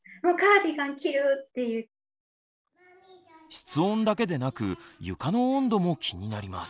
室温だけでなく床の温度も気になります。